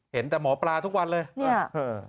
เห็นแต่หมอปลาทุกวันเลย